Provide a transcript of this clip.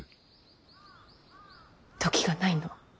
時がないの。